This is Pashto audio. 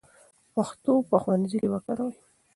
پښتو په ښوونځي کې وکاروئ.